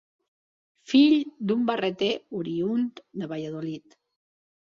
Fill d'un barreter oriünd de Valladolid.